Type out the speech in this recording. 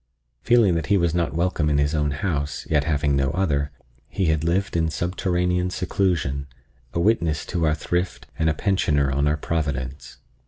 Feeling that he was not welcome in his own house, yet having no other, he had lived in subterranean seclusion, a witness to our thrift and a pensioner on our providence.